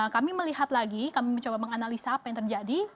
kami melihat lagi kami mencoba menganalisa apa yang terjadi